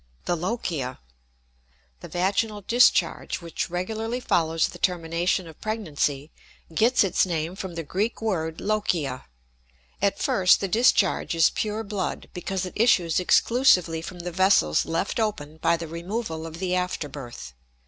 THE LOCHIA. The vaginal discharge which regularly follows the termination of pregnancy gets its name from the Greek word lochia. At first the discharge is pure blood, because it issues exclusively from the vessels left open by the removal of the after birth.